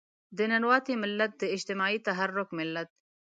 د ننواتې ملت، د اجتماعي تحرک ملت.